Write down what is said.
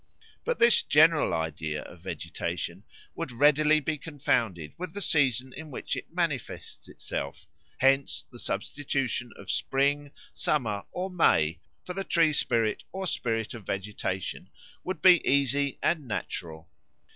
But this general idea of vegetation would readily be confounded with the season in which it manifests itself; hence the substitution of Spring, Summer, or May for the tree spirit or spirit of vegetation would be easy and natural.